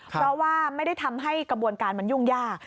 เพราะว่าไม่ได้ทำให้กระบวนการมันยุ่งยาก